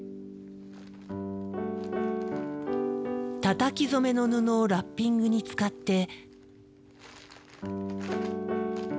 たたき染めの布をラッピングに使って。